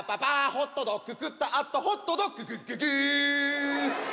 ホットドッグ食ったあとホットドッグクックク！